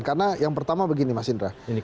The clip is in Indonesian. karena yang pertama begini mas indra